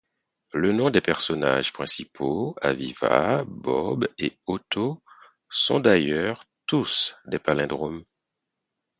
Le nom des personnages principaux Aviva, Bob et Otto sont d'ailleurs tous des palindromes.